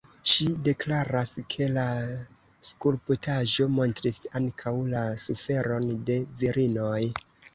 Ŝi deklaras ke la skulptaĵo montris ankaŭ la suferon de virinoj.